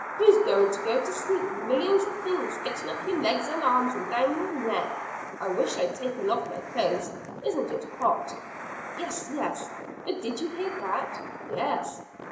Who's to go to sleep with millions of things getting up your legs and arms and down your neck? I wish I'd taken off my clothes. Isn't it hot!" "Yes, yes; but did you hear that?" "Yes."